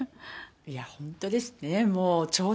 いや、本当ですね。